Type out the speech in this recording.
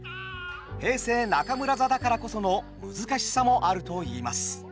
平成中村座だからこその難しさもあるといいます。